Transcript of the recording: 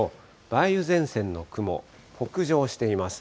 梅雨前線の雲、北上しています。